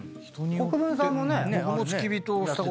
国分さんもね。